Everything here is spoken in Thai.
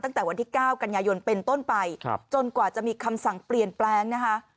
ตั้งแต่วันที่๙กันยายนเป็นต้นไปจนกว่าจะมีคำสั่งเปลี่ยนแปลงนะคะ